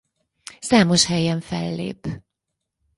Számos helyen fellép.